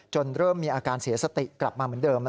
เริ่มมีอาการเสียสติกลับมาเหมือนเดิม